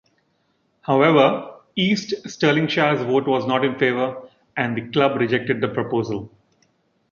However, East Stirlingshire's vote was not in favour and the club rejected the proposal.